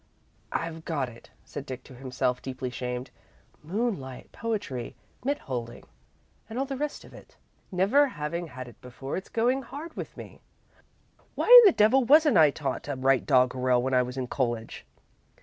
"I've got it," said Dick, to himself, deeply shamed. "Moonlight, poetry, mit holding, and all the rest of it. Never having had it before, it's going hard with me. Why in the devil wasn't I taught to write doggerel when I was in college?